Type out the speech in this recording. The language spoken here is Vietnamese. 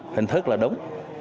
hình thức là đúng